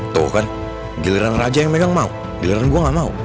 tuh kan giliran raja yang megang mau giliran gue gak mau